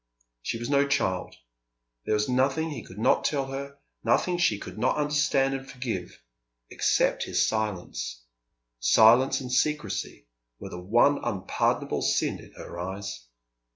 She was no child. There was nothing he could not tell her, nothing she could not understand and forgive, except his silence. Silence and secrecy were the one unpardonable sin in her eyes.